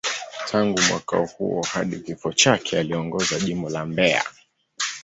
Tangu mwaka huo hadi kifo chake, aliongoza Jimbo la Mbeya.